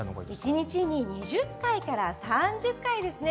一日に２０回から３０回ですね。